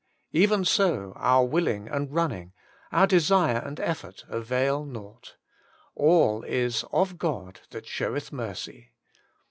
Even so, our willing and running, our desire and effort, avail nought; all is *of God that sheweth mercy.'